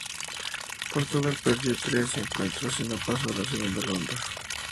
Portugal perdió los tres encuentros y no pasó a la Segunda Ronda.